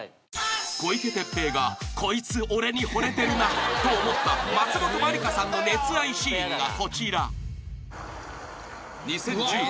［小池徹平がこいつ俺にほれてるなと思った松本まりかさんの熱愛シーンがこちら］